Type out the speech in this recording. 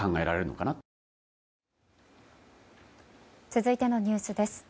続いてのニュースです。